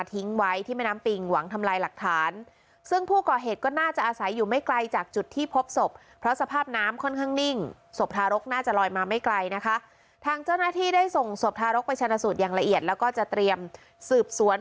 ที่ได้ส่งสวบทารกประชาณสูตรอย่างละเอียดแล้วก็จะเตรียมสืบสวน